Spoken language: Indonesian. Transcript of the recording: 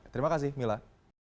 terima kasih mila